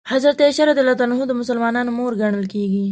حضرت عایشه رض د مسلمانانو مور ګڼل کېږي.